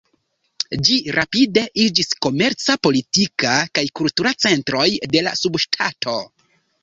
Ĝi rapide iĝis la komerca, politika, kaj kultura centroj de la subŝtato.